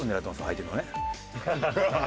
相手のね。